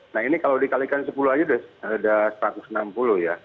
nah ini kalau dikalikan sepuluh aja udah ada satu ratus enam puluh ya